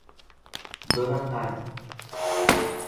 donatário